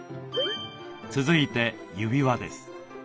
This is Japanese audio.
続いて指輪です。